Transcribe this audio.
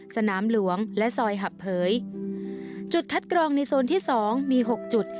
สนามหลวงและซอยหับเผยจุดคัดกรองในโซนที่สองมีหกจุด